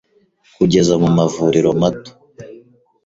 kugeza mu mavuriro mato,